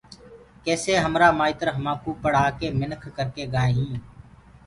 ڪيسي همرآ مآئتر همآنٚڪو پڙهآڪي منک ڪرڪي گآئينٚ